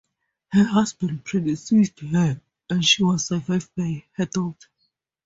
Her husband predeceased her and she was survived by her daughter.